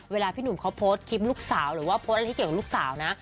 พี่หนุ่มเขาโพสต์คลิปลูกสาวหรือว่าโพสต์อะไรที่เกี่ยวกับลูกสาวนะ